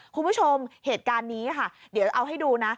คุณผู้ชมเหตุการณ์นี้ค่ะเดี๋ยวเอาให้ดูนะ